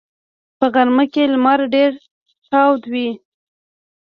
په غرمه کې لمر ډېر تاو وي